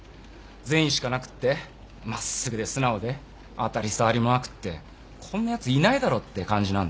善意しかなくって真っすぐで素直で当たり障りもなくってこんなやついないだろって感じなんだよね。